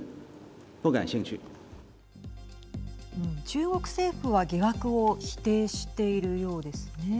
中国政府は疑惑を否定しているようですね。